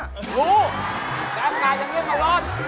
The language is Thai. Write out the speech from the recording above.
รู้แต่ทำงานอย่างนี้มันร้อน